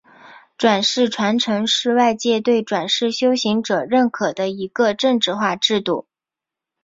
转世传承是外界对转世修行者认可的一个政治化制度。